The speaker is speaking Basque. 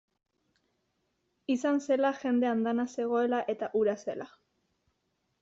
Izan zela, jende andana zegoela eta hura zela.